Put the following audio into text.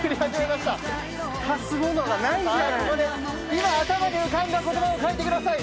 今頭に浮かんだ言葉を書いてください！